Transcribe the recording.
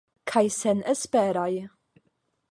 Kaj senesperaj.